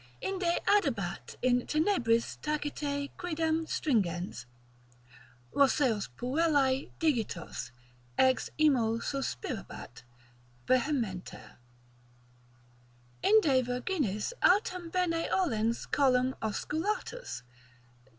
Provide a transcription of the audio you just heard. Inde Adibat in tenebris tacite quidem stringens Roseos puellae digitos, ex imo suspirabat Vehementer———Inde Virginis autem bene olens collum osculatus.